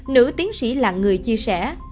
nữ tiến sĩ là người chia sẻ